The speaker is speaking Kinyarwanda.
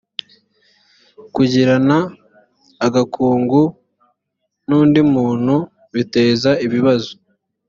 kugirana agakungu n undi muntu biteza ibibazo